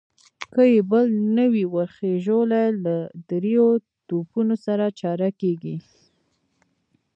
که يې بل نه وي ور خېژولی، له درېيو توپونو سره چاره کېږي.